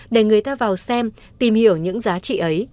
để người ta vào xem tìm hiểu những giá trị ấy